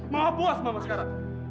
mama puas mama sekarang